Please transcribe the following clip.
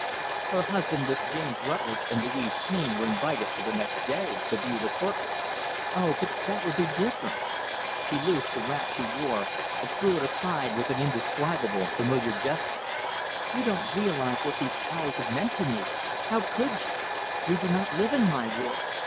Her husband with James Rutlidge and Louise Taine were invited for the next day, to view the portrait. "Oh, but that will be so different!" She loosed the wrap she wore, and threw it aside with an indescribable familiar gesture. "You don't realize what these hours have meant to me how could you? You do not live in my world.